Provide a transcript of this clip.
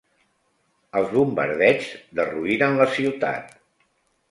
Els bombardeigs derruïren la ciutat.